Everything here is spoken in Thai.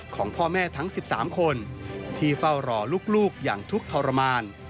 ของพ่อแม่ทั้ง๑๓คนที่เฝ้ารอลูกอย่างทุกข์ทรมาน